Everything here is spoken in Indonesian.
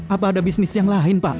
apa ada bisnis yang lain pak